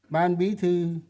ban mỹ thư